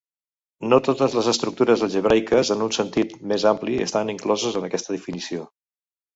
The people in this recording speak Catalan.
No totes les estructures algebraiques en un sentit més ampli estan incloses en aquesta definició.